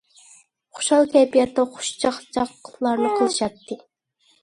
خۇشال كەيپىياتتا خۇش- چاقچاقلارنى قىلىشاتتى.